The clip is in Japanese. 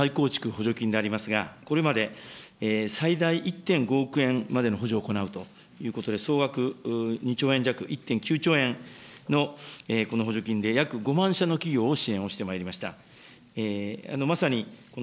補助金でありますが、これまで最大１．５億円までの補助を行うということで、総額２兆円弱、１．９兆円のこの補助金で約５万社の企業を支援してまいりました。